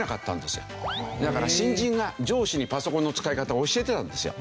だから新人が上司にパソコンの使い方を教えてたんですよ。